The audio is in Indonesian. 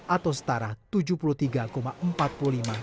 atau setara tujuh puluh triliun dolar